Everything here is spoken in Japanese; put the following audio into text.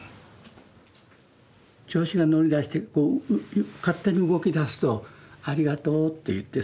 調子が乗り出して勝手に動きだすとありがとうって言って。